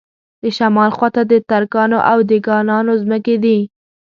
د شمال خواته د ترکانو او دېګانانو ځمکې دي.